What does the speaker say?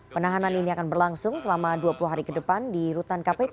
penahanan ini akan berlangsung selama dua puluh hari ke depan di rutan kpk